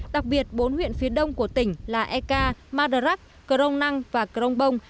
đặc biệt bốn huyện phía đông của tỉnh là eka madrap crong năng và crong bong